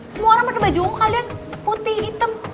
semua orang pake baju umur kalian putih hitam